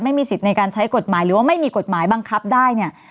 ไม่มีสิทธิ์ในการใช้กฎหมายหรือว่าไม่มีกฎหมายบังคับได้เนี่ย